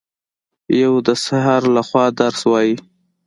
یو د سحر لخوا درس وايي